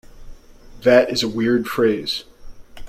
That is a weird phrase.